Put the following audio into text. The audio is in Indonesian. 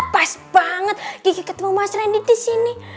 pas banget gigi ketemu mas randy di sini